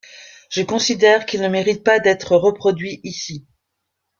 Je considère qu'il ne mérite pas d'être reproduit ici.